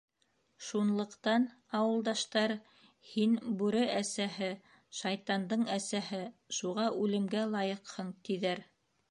Шунлыҡтан ауылдаштар, һин — бүре әсәһе, шайтандың әсәһе, шуға үлемгә лайыҡһың, тиҙәр.